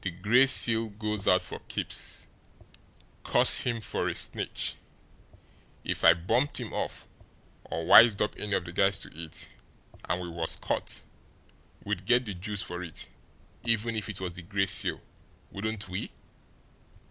The Gray Seal goes out for keeps curse him for a snitch! If I bumped him off, or wised up any of the guys to it, and we was caught, we'd get the juice for it even if it was the Gray Seal, wouldn't we?